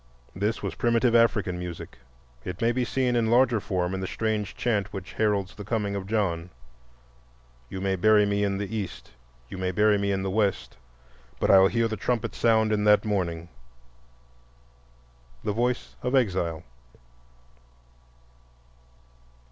This was primitive African music; it may be seen in larger form in the strange chant which heralds "The Coming of John": "You may bury me in the East, You may bury me in the West, But I'll hear the trumpet sound in that morning," —the voice of exile.